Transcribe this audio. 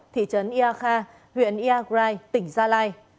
thị trấn ia kha huyện ia grai tỉnh gia lai